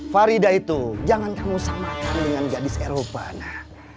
farida itu jangan kamu samakan dengan gadis eropa nah